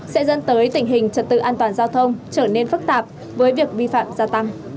sẽ dẫn tới tình hình trật tự an toàn giao thông trở nên phức tạp với việc vi phạm gia tăng